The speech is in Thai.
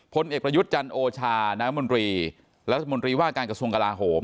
พลเอกประยุทธ์จันโอชาน้ำมนตรีรัฐมนตรีว่าการกระทรวงกลาโหม